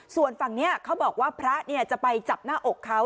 ส่วนฝั่งนี้เขาบอกว่าพระจะไปจับหน้าอกเขา